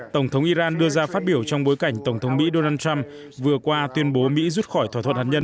tổng thống iran đưa ra phát biểu trong bối cảnh tổng thống mỹ donald trump vừa qua tuyên bố mỹ rút khỏi thỏa thuận hạt nhân